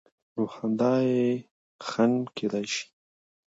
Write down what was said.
نو خندا یې خنډ کېدای شي.